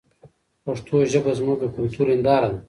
پښتو ژبه زموږ د کلتور هنداره ده.